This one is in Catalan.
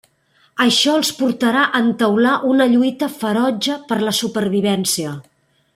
Això els portarà a entaular una lluita ferotge per la supervivència.